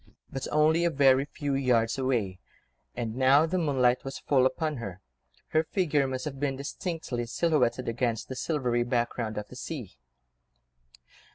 But only a very few yards away, and now the moonlight was full upon her, her figure must have been distinctly silhouetted against the silvery background of the sea.